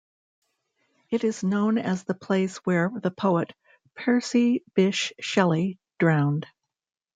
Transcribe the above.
It is known as the place where the poet Percy Bysshe Shelley drowned.